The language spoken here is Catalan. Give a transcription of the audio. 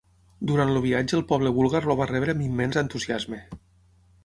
Durant el viatge el poble búlgar el va rebre amb immens entusiasme.